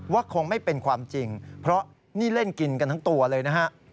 คงไม่เป็นความจริงเพราะนี่เล่นกินกันทั้งตัวเลยนะฮะ